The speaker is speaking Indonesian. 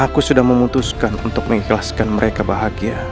aku sudah memutuskan untuk mengikhlaskan mereka bahagia